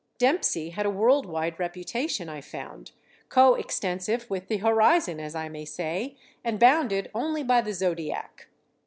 Dempsey had a world wide reputation, I found, co extensive with the horizon, as I may say, and bounded only by the zodiac.